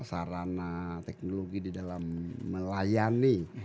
sarana teknologi di dalam melayani